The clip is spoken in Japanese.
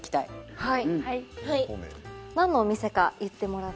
はい。